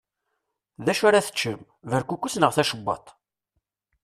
D acu ar ad teččem? Berkukes neɣ tacewwaḍṭ?